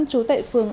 chú tệ phương